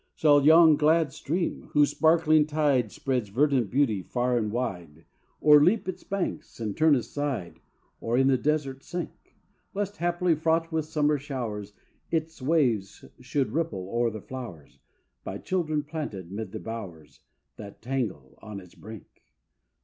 Shall yon glad stream, whose sparkling tide Spreads verdant beauty far and wide, O'erleap its banks and turn aside, Or in the desert sink; Lest, haply, fraught with summer showers, Its waves should ripple o'er the flowers By children planted 'mid the bowers That tangle on its brink?